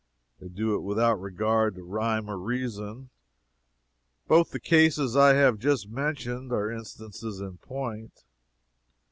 They do it without regard to rhyme or reason. Both the cases I have just mentioned are instances in point.